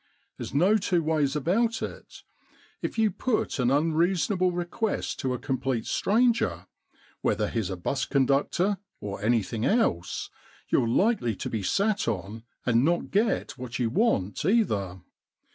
There's no two ways about it — if you put an unreasonable request to a complete stranger, whether he's a bus con ductor or anything else, you're likely to be sat on and not to get what you want either.